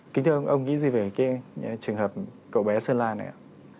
kính thưa ông ông nghĩ gì về cái trường hợp cậu bé sơn lan này ạ